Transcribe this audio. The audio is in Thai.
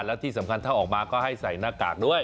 แล้วที่สำคัญถ้าออกมาก็ให้ใส่หน้ากากด้วย